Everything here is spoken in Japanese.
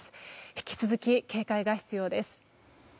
引き続き警戒が必要です。